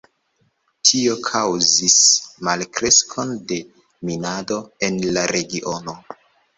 Tio kaŭzis malkreskon de minado en la regiono.